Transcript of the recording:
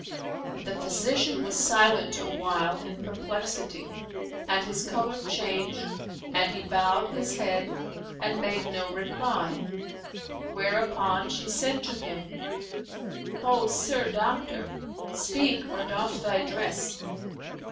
The physician was silent awhile in perplexity and his colour changed and he bowed his head and made no reply; whereupon she said to him, "Ho, sir doctor, speak or doff thy dress."